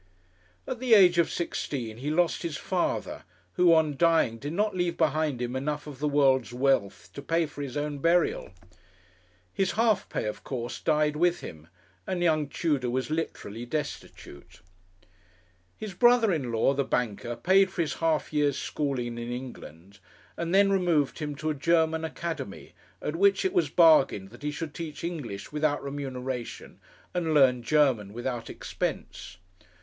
At the age of sixteen he lost his father, who, on dying, did not leave behind him enough of the world's wealth to pay for his own burial. His half pay of course died with him, and young Tudor was literally destitute. His brother in law, the banker, paid for his half year's schooling in England, and then removed him to a German academy, at which it was bargained that he should teach English without remuneration, and learn German without expense.